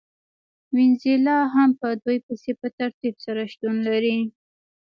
وینزویلا هم په دوی پسې په ترتیب سره شتون لري.